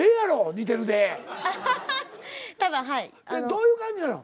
どういう感じなの？